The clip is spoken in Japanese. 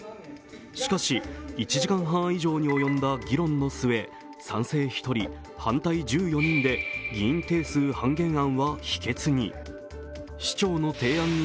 しかし、１時間半以上に及んだ議論の末、賛成１人、反対１４人で議員定数半減案は否決に。